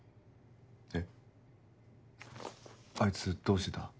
えっあいつどうしてた？